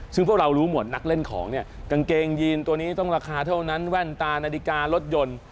ซึ่งพวกเรารู้หมดนักเล่นของเนี่ยกางเกงยีนตัวนี้ต้องราคาเท่านั้นแว่นตานาฬิการถยนต์